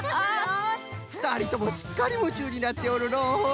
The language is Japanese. ふたりともすっかりむちゅうになっておるのう！